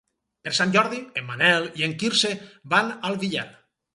Per Sant Jordi en Manel i en Quirze van al Villar.